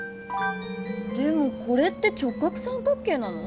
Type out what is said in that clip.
でもこれって直角三角形なの？